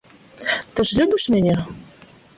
Ты ж любіш мяне?